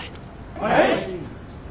はい！